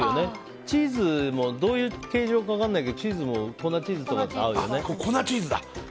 チーズも形状とか分からないけどチーズも粉チーズとかと合うよね。